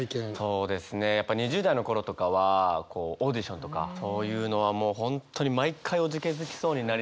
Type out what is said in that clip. そうですねやっぱ２０代の頃とかはこうオーディションとかそういうのはもう本当に毎回おじけづきそうになりながら。